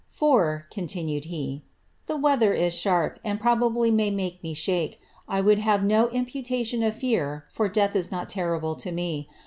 ^ For," continued he, ^^ the weather is sharp, Y may make me shake. I would have no imputation of fear is not terrible to me.